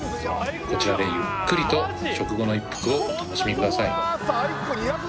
こちらでゆっくりと食後の一服をお楽しみください